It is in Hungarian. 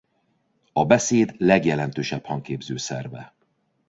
A beszéd legjelentősebb hangképző szerve.